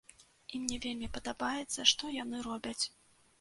І мне вельмі падабаецца, што яны робяць.